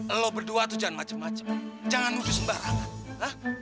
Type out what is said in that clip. eh lo berdua tuh jangan macem macem jangan nuduh sembarangan hah